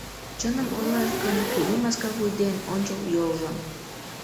Чыным ойлаш гын, кугу маска вуй ден ончыл йолжо.